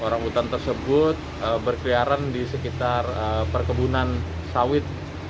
orang utan tersebut berkeliaran di sekitar perkebunan sawit